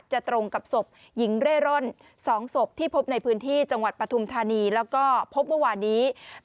จะตรงกับศพหญิงเร่ร่อนสองศพที่พบในพื้นที่จังหวัดปทุมธานี